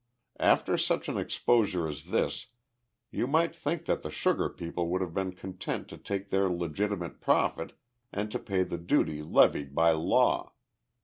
After such an exposure as this, you might think that the sugar people would have been content to take their legitimate profit and to pay the duty levied by law.